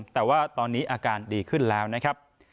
แต่ว่าตอนนี้อาการดีขึ้นแล้วนะครับ